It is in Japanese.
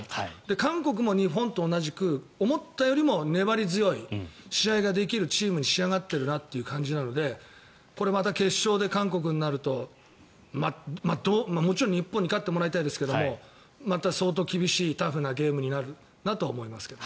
韓国も日本と同じく思ったよりも粘り強い試合ができるチームに仕上がっているなという感じなのでこれまた決勝で韓国となるともちろん日本に勝ってもらいたいですけれどもまた相当厳しいタフなゲームになるなと思いますけど。